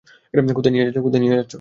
কোথায় নিয়ে যাচ্ছো?